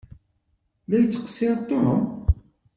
La yettqeṣṣiṛ Tom?